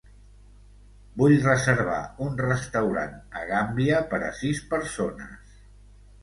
Vull reservar un restaurant a Gambia per a sis persones.